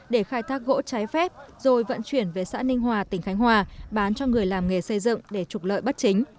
để khai thác gỗ trái phép rồi vận chuyển về xã ninh hòa tỉnh khánh hòa bán cho người làm nghề xây dựng để trục lợi bắt chính